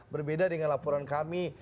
berbeda dengan laporan kami